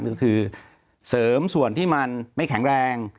ก็คือเสริมส่วนที่มันไม่แข็งแรง